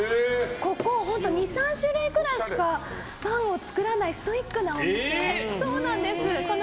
ここ、２３種類くらいしかパンを作らないストイックなお店で。